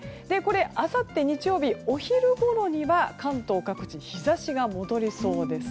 あさって日曜日お昼ごろには関東各地日差しが戻りそうです。